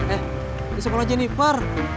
eh di sekolah jennifer